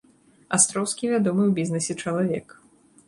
Астроўскі вядомы ў бізнэсе чалавек.